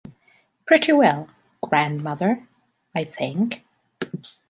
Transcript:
Pretty well, grandmother, I think.